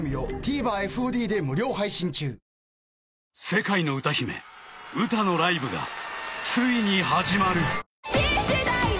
［世界の歌姫ウタのライブがついに始まる］